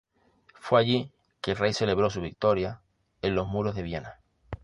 Fue allí que el rey celebró su victoria en los muros de Viena.